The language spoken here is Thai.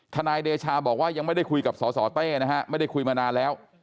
นายเดชาบอกว่ายังไม่ได้คุยกับสสเต้นะฮะไม่ได้คุยมานานแล้ว